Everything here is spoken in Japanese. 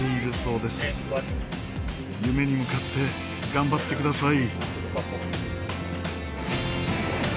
夢に向かって頑張ってください。